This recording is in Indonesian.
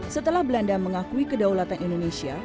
setelah belanda mengakui kedaulatan indonesia